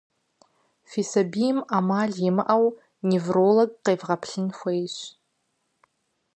Фи сабийм Ӏэмал имыӀэу невролог къегъэплъын хуейщ.